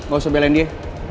gak usah belain dia